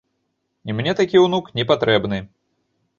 І мне такі ўнук не патрэбны.